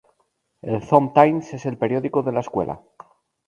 El Thom Times es el periódico de la escuela.